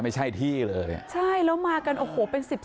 ไม่ใช่ที่เลยใช่แล้วมากันโอ้โหเป็นสิทธิ์ที่อ่ะ